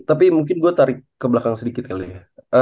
tapi mungkin gue tarik ke belakang sedikit kali ya